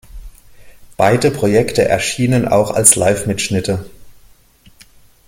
Beide Projekte erschienen auch als Live-Mitschnitte.